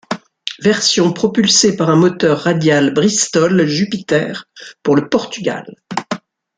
Version propulsée par un moteur radial Bristol Jupiter pour le Portugal.